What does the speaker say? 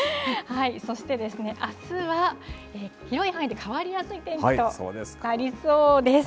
そしてですね、あすは広い範囲で変わりやすい天気となりそうです。